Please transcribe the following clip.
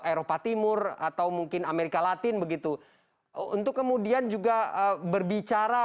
eropa timur atau mungkin amerika latin begitu untuk kemudian juga berbicara